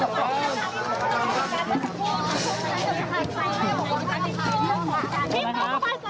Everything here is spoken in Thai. ปอค่ะ